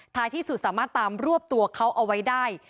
ที่สุดสามารถตามรวบตัวเขาเอาไว้ได้